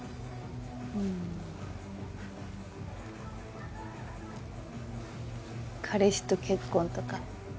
うん彼氏と結婚とか？